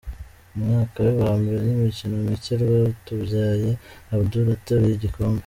Umwaka we wa mbere n'imikino micye Rwatubyaye Abdul ateruye igikombe.